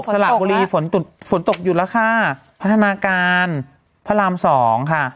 สละบุรีฝนตกอยู่แล้วค่ะพัฒนาการพระรามสองค่ะ